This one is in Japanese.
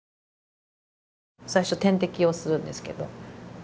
最初点滴をするんですけど。